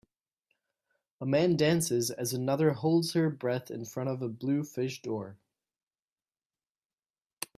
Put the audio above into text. A man dances as another holds her breath in front of a blue fish door.